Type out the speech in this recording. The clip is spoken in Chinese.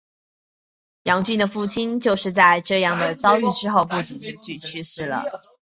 杨君的父亲就是在这样的遭遇之后不久就去世的。